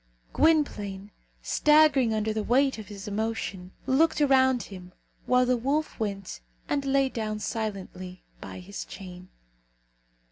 Gwynplaine, staggering under the weight of his emotion, looked around him, while the wolf went and lay down silently by his chain.